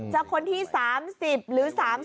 จากคนที่๓๐หรือ๓๑